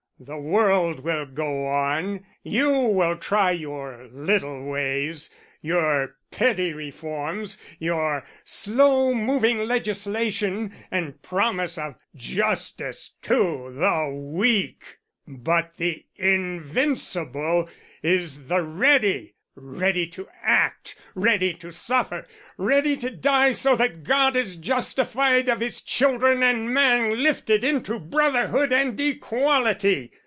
The world will go on, you will try your little ways, your petty reforms, your slow moving legislation and promise of justice to the weak, but the invincible is the ready; ready to act; ready to suffer, ready to die so that God is justified of his children and man lifted into brotherhood and equality.